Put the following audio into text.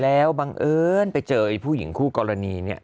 แล้วบังเอิญไปเจอไอ้ผู้หญิงคู่กรณีเนี่ย